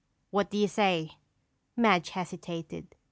What do you say?" Madge hesitated.